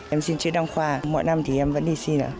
em xin chơi đăng khoa mỗi năm thì em vẫn đi xin ạ